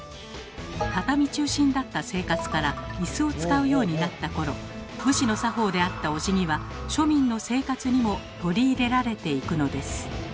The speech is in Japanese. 畳中心だった生活からイスを使うようになった頃武士の作法であったおじぎは庶民の生活にも取り入れられていくのです。